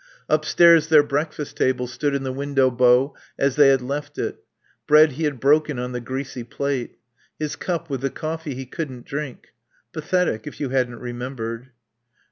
Upstairs their breakfast table stood in the window bow as they had left it. Bread he had broken on the greasy plate. His cup with the coffee he couldn't drink. Pathetic, if you hadn't remembered.